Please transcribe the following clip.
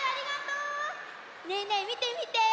ねえねえみてみて！